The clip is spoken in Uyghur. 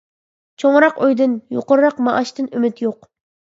چوڭراق ئۆيدىن، يۇقىرىراق مائاشتىن ئۈمىد يوق.